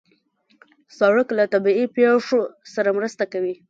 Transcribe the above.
سړک له طبیعي پېښو سره مرسته کوي.